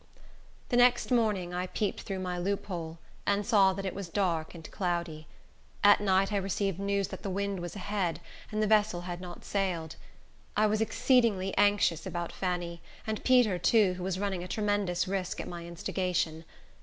The next morning I peeped through my loophole, and saw that it was dark and cloudy. At night I received news that the wind was ahead, and the vessel had not sailed. I was exceedingly anxious about Fanny, and Peter too, who was running a tremendous risk at my instigation.